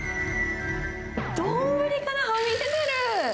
丼からはみ出てる。